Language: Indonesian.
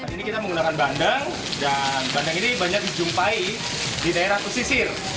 ini kita menggunakan bandeng dan bandeng ini banyak dijumpai di daerah pesisir